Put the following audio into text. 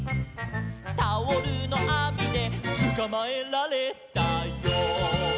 「タオルのあみでつかまえられたよ」